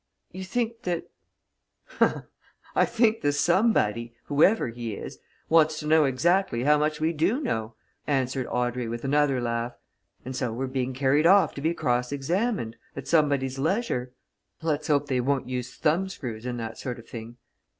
"You think that " "I think the somebody whoever he is wants to know exactly how much we do know," answered Audrey with another laugh. "And so we're being carried off to be cross examined at somebody's leisure. Let's hope they won't use thumb screws and that sort of thing.